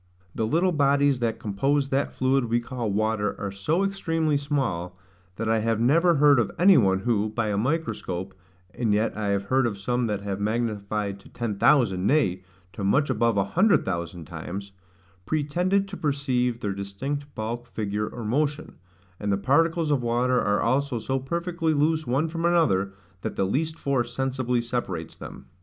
The little bodies that compose that fluid we call water are so extremely small, that I have never heard of any one who, by a microscope, (and yet I have heard of some that have magnified to ten thousand; nay, to much above a hundred thousand times,) pretended to perceive their distinct bulk, figure, or motion; and the particles of water are also so perfectly loose one from another, that the least force sensibly separates them.